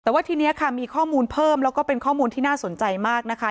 แต่ว่าทีนี้ค่ะมีข้อมูลเพิ่มแล้วก็เป็นข้อมูลที่น่าสนใจมากนะคะ